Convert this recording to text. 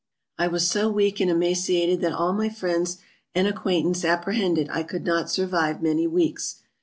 I was so weak and emaciated that all my friends and acquaintance apprehended, I could not survive many Weeks.